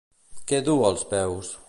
Què duu als peus?